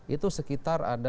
itu sekitar ada